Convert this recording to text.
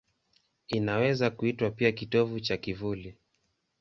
Inaweza kuitwa pia kitovu cha kivuli.